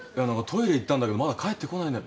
トイレ行ったんだけどまだ帰ってこないんだ。